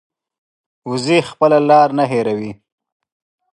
وزې خپله لار نه هېروي